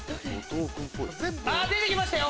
出てきましたよ！